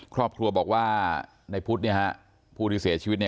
ครอบครัวบอกว่าในพุทธเนี่ยฮะผู้ที่เสียชีวิตเนี่ย